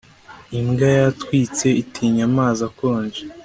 imbwa yatwitse itinya amazi akonje.